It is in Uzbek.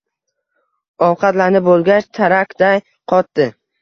Ovqatlanib boʻlgach, tarrakday qotdi.